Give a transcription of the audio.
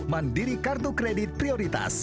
mandiri kartu kredit prioritas